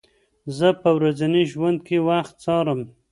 زه په ورځني ژوند کې وخت څارم.